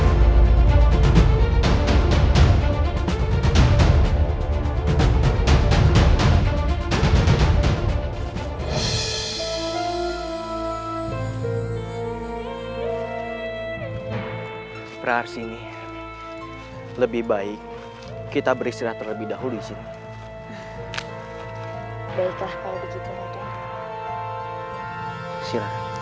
hai praarsini lebih baik kita beristirahat lebih dahulu di sini